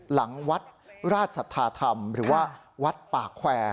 หลังวัดราชสัทธาธรรมหรือว่าวัดป่าแควร์